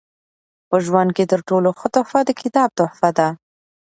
په ژوند کښي تر ټولو ښه تحفه د کتاب تحفه ده.